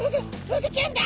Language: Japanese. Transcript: フグちゃんだ！